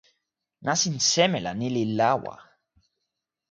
nasin seme la ni li lawa?